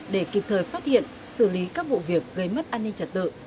để kịp thời phát hiện xử lý các vụ việc gây mất an ninh trật tự